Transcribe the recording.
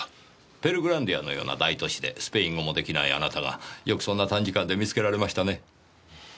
ペルグランディアのような大都市でスペイン語も出来ないあなたがよくそんな短時間で見つけられましたね。